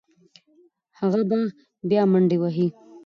هغه به بیا منډې وهي.